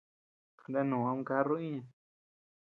Kandanoo am caruu iña.